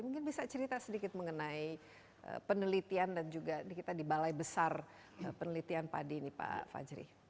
mungkin bisa cerita sedikit mengenai penelitian dan juga kita di balai besar penelitian padi ini pak fajri